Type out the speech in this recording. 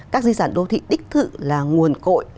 các di sản đô thị đích thự là nguồn cội